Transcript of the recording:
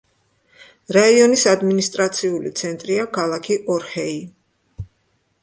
რაიონის ადმინისტრაციული ცენტრია ქალაქი ორჰეი.